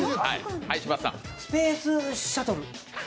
スペースシャトル？